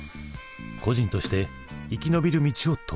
個人として生き延びる道を説く。